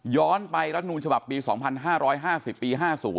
ย้อนไปรัฐธรรมนูลฉบับปี๒๕๕๐ปี๕๐